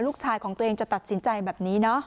ลูกชายของตัวเองจะตัดสินใจแบบนี้เนอะ